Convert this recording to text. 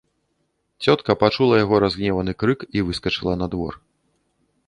Цётка пачула яго разгневаны крык і выскачыла на двор.